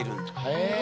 へえ。